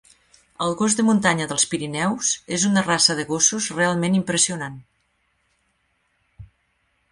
El gos de muntanya dels Pirineus és una raça de gossos realment impressionant.